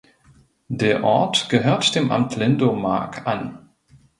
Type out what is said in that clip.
Der Ort gehört dem Amt Lindow (Mark) an.